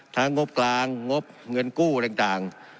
ทั้งงบกลางงบเงินกู้ต่าง